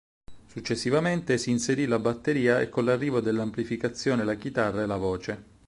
Successivamente si inserì la batteria e con l'arrivo dell'amplificazione la chitarra e la voce.